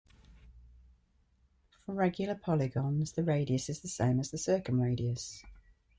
For regular polygons, the radius is the same as its circumradius.